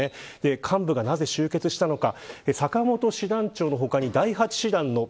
幹部がなぜ集結したのか。